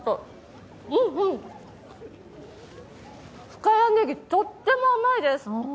深谷ねぎ、とっても甘いです。